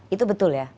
itu betul ya